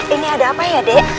ini ada apa ya dek